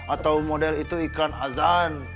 atau model itu iklan azan